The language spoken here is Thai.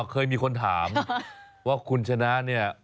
เคยมีคนถามว่าคุณชนะเนี่ย